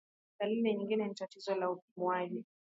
Dalili nyingine ni tatizo la upumuaji